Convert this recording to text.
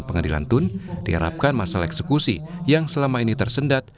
pengadilan tun diharapkan masalah eksekusi yang selama ini tersendat